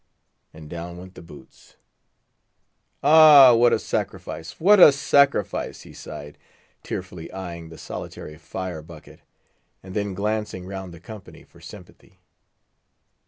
And down went the boots. "Ah, what a sacrifice! what a sacrifice!" he sighed, tearfully eyeing the solitary fire bucket, and then glancing round the company for sympathy.